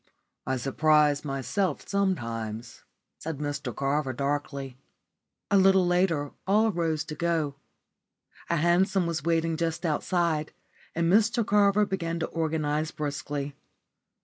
"I surprise myself sometimes," said Mr Carver, darkly. A little later all rose to go. A hansom was waiting just outside, and Mr Carver began to organise briskly.